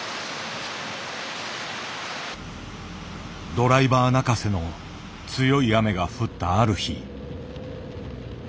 ドライバー泣かせの強い雨が降ったある日。